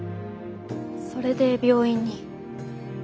それで病院に。